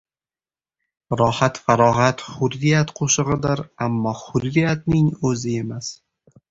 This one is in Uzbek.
— Rohat-farog‘at — hurriyat qo‘shig‘idir, ammo hurriyatning o‘zi emas.